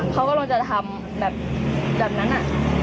เขาก็ลองจะทำแบบนั้นน่ะ